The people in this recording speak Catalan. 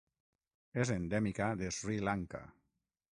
És endèmica de Sri Lanka.